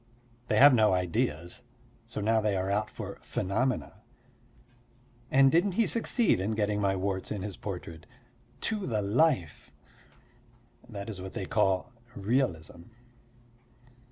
They have no ideas, so now they are out for phenomena. And didn't he succeed in getting my warts in his portrait to the life. That is what they call realism.